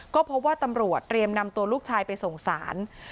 ก็พบว่าตำรวจเตรียมนำตัวลูกชายไปส่งสาร